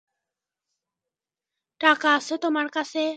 টাকা আছে তোমার কাছে?